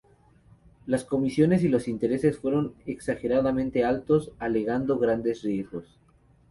Las comisiones y los intereses fueron exageradamente altos alegando grandes riesgos.